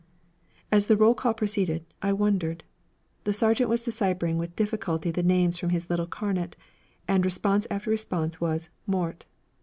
As the roll call proceeded, I wondered. The sergeant was deciphering with difficulty the names from his little carnet, and response after response was, 'Mort.'